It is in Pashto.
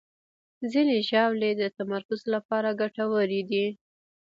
ځینې ژاولې د تمرکز لپاره ګټورې دي.